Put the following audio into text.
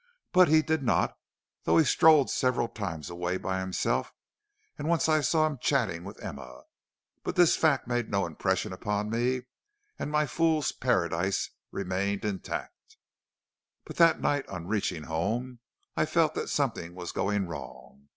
But he did not, though he strolled several times away by himself; and once I saw him chatting with Emma; but this fact made no impression upon me and my Fool's Paradise remained still intact. "But that night on reaching home I felt that something was going wrong.